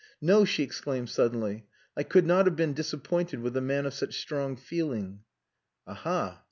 "No," she exclaimed suddenly, "I could not have been disappointed with a man of such strong feeling." "Aha!